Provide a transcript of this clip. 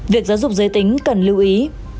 việc giáo dục giới tính cần lưu ý